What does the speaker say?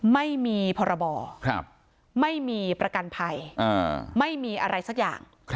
ไม่มีพรบไม่มีประกันภัยไม่มีอะไรสักอย่าง